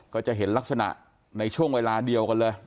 ก็จะเห็นลักษณะในช่วงเวลาเดียวกันเลย